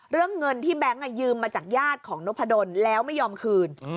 เรื่องเงินที่แบงค์ยืมมาจากญาติของนพดลแล้วไม่ยอมคืน